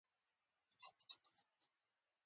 انټارکټیکا د واورو قاره ده.